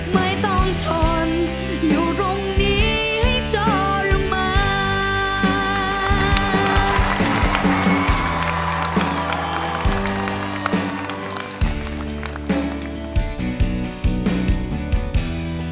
ไม่ต้องทนอยู่ตรงนี้ให้เธอลงมา